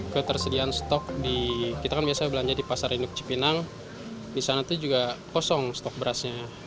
ketersediaan stok di kita kan biasanya belanja di pasar induk cipinang di sana itu juga kosong stok berasnya